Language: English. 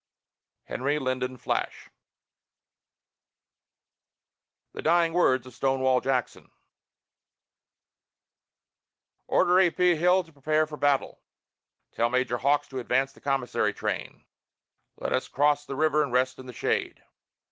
HENRY LYNDEN FLASH. THE DYING WORDS OF STONEWALL JACKSON "Order A. P. Hill to prepare for battle." "Tell Major Hawks to advance the commissary train." "Let us cross the river and rest in the shade."